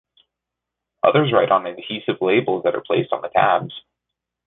Others write on adhesive labels that are placed on the tabs.